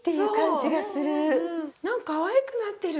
かわいくなってる。